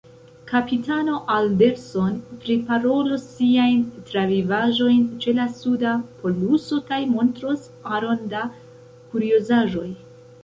Kapitano Alderson priparolos siajn travivaĵojn ĉe la suda poluso kaj montros aron da kuriozaĵoj.